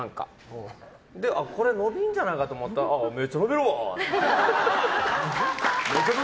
伸びるんじゃないかと思ったらめっちゃ伸びるわ！